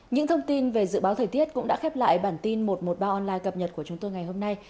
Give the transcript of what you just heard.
những thông tin về dự báo thời tiết cũng đã khép lại bản tin một trăm một mươi ba online cập nhật của chúng tôi ngày hôm nay